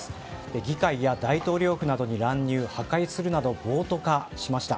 議会や大統領府などに乱入・破壊するなど暴徒化しました。